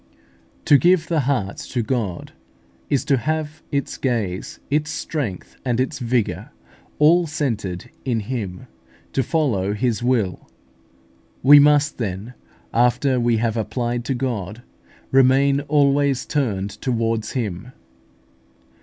To give the heart to God is to have its gaze, its strength, and its vigour all centred in Him, to follow His will. We must, then, after we have applied to God, remain always turned towards Him.